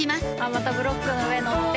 またブロックの上乗って。